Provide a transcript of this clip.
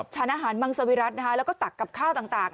ฉันอาหารมังสวิรัติแล้วก็ตักกับข้าวต่าง